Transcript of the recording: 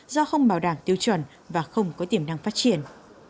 do không bảo đảm tiêu chuẩn và không có tiềm năng phát triển